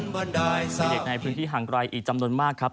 เสด็จในพื้นที่ห่างไกลอีกจำนวนมากครับ